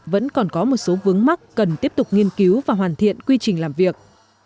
vẫn còn có một số vướng mắt cần tiếp tục nghiên cứu và hoàn thiện quy trình làm việc